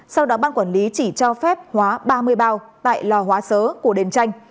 sau đó ban quản lý chỉ cho phép hóa ba mươi bao tại lò hóa sớ của đền chanh